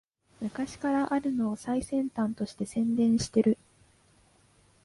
昔からあるのを最先端として宣伝してる